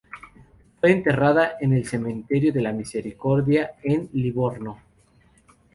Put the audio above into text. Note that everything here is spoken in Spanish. Fue enterrada en el Cementerio de la Misericordia, en Livorno.